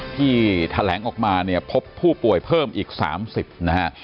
ที่แถลงออกมาเนี่ยพบผู้ป่วยเพิ่มอีก๓๐นะฮะ